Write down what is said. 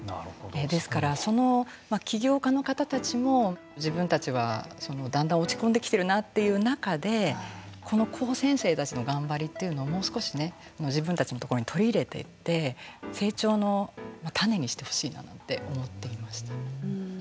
ですから、その企業家の方たちも自分たちは、だんだん落ち込んできてるなっていう中でこの高専生たちの頑張りっていうのを、もう少しね自分たちのところに取り入れていって成長の種にしてほしいななんて思っていました。